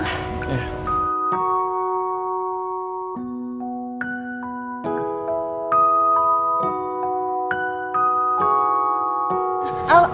mau pesan apa